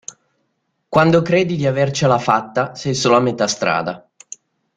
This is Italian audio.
Quando credi di avercela fatta sei solo a metà strada.